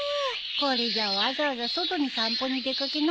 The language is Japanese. これじゃわざわざ外に散歩に出掛けなくてもいいよね。